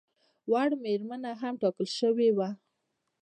وړ مېرمنه هم ټاکل شوې وه.